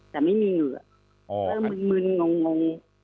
แต่ไม่มีเหงื่อก็มึนงง